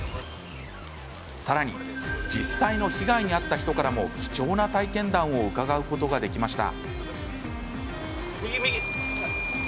さらに実際の被害に遭った人からも貴重な体験談を伺うことができました。